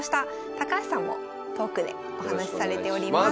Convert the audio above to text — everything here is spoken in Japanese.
高橋さんもトークでお話しされております。